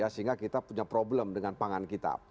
sehingga kita punya problem dengan pangan kita